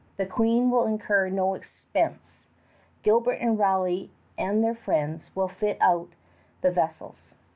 The Queen will incur no expense. Gilbert and Raleigh and their friends will fit out the vessels.